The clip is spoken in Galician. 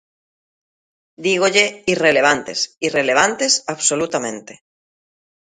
Dígolle: irrelevantes, irrelevantes absolutamente.